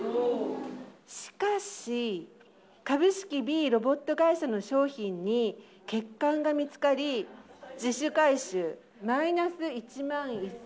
しかし、株式Ｂロボット会社の商品に欠陥が見つかり、自主回収。